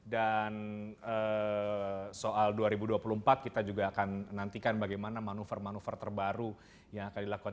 dan soal dua ribu dua puluh empat kita juga akan menantikan bagaimana manuver manuver terbaru yang akan dilakukan